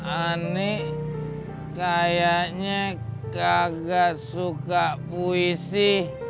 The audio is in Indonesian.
aneh kayaknya kagak suka puisi